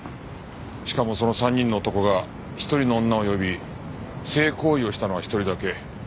しかもその３人の男が１人の女を呼び性行為をしたのは１人だけ。